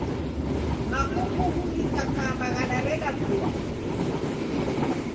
Makungughu ghikakamba ghadareda vua